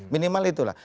minimal itu lah